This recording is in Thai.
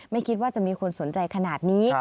ไม่คิดว่าจะมีคนสนใจขนาดนี้